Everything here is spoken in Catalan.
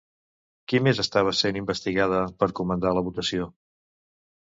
Qui més estava sent investigada per comandar la votació?